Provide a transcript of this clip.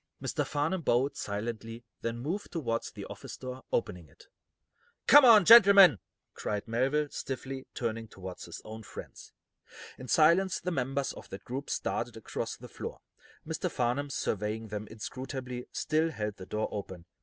Mr. Farnum bowed, silently, then moved toward the office door, opening it. "Come on, gentlemen," cried Melville, stiffly, turning toward his own friends. In silence the members of that group started across the floor. Mr. Farnum, surveying them inscrutably, still held the door open.